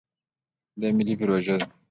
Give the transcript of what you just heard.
دا ملي پروژه ده.